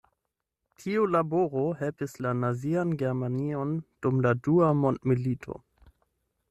Tiu laboro helpis la nazian Germanion dum la dua mondmilito.